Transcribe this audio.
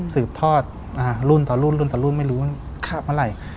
ซืบทอดรุ่นต่อรุ่นไม่รู้เมื่อไร